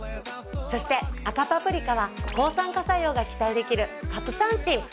そして赤パプリカは抗酸化作用が期待できるカプサンチン。